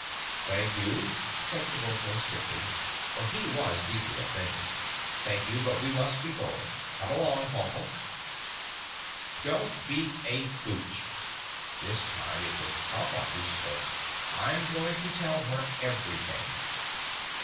"Thank you," said Kabumpo stiffly, for he was deeply offended. "Thank you, but we must be going. Come along, Pompa." "Don't be a Gooch!" This time it was Pompa who spoke. "I'm going to tell her everything!"